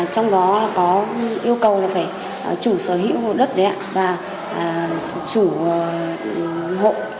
trong đó có yêu cầu phải chủ sở hữu đất và chủ hộ